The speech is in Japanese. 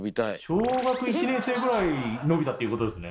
小学１年生ぐらい伸びたっていうことですね。